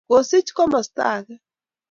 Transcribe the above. kosich komosta ake